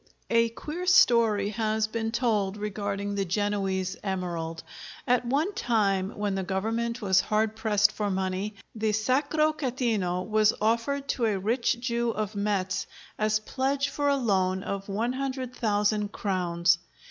A queer story has been told regarding the Genoese emerald. At one time when the government was hard pressed for money, the Sacro Catino was offered to a rich Jew of Metz as pledge for a loan of 100,000 crowns.